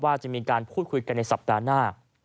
ว่าจะมีการพูดคุยกันในสัปดาห์หน้า